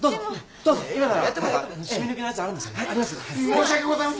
申し訳ございません。